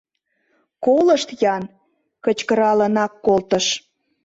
Колышт-ян! — кычкыралынак колтыш.